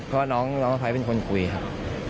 ใช่ครับ